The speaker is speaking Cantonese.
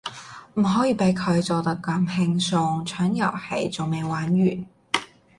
唔可以畀佢走得咁輕鬆，場遊戲仲未玩完